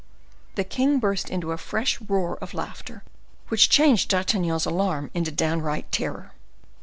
The king burst into a fresh roar of laughter, which changed D'Artagnan's alarm into downright terror.